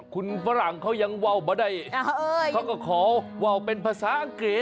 คุณฝรั่งเขายังว่าวมาได้เขาก็ขอว่าวเป็นภาษาอังกฤษ